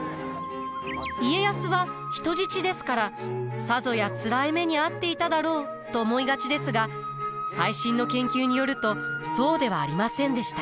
家康は人質ですからさぞやつらい目に遭っていただろうと思いがちですが最新の研究によるとそうではありませんでした。